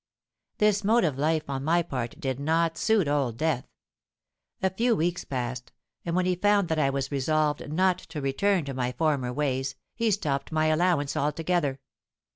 "This mode of life on my part did not suit Old Death. A few weeks passed, and when he found that I was resolved not to return to my former ways, he stopped my allowance altogether.